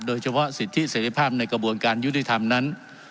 สิทธิเสร็จภาพในกระบวนการยุติธรรมนั้น